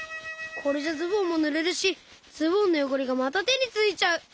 これじゃズボンもぬれるしズボンのよごれがまたてについちゃう！